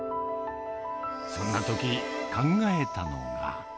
そんなとき、考えたのが。